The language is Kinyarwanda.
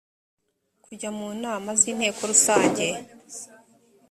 kujya mu nama z inteko rusange